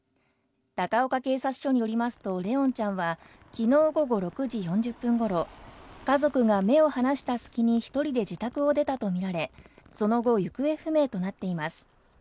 高岡警察署によりますと、怜音ちゃんは昨日午後６時４０分頃、家族が目を離した隙に１人で自宅を出たと見られ、その後、行方不明となっています。